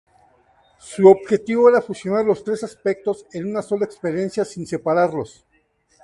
Su objetivo era fusionar los tres aspectos en una sola experiencia, sin separarlos.